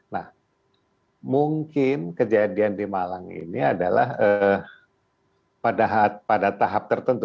nah mungkin kejadian di malang ini adalah pada tahap tertentu